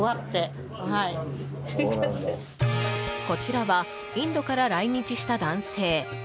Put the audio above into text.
こちらはインドから来日した男性。